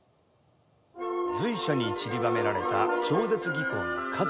随所にちりばめられた超絶技巧の数々。